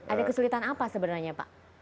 ada kesulitan apa sebenarnya pak